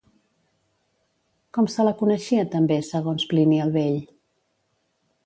Com se la coneixia també segons Plini el Vell?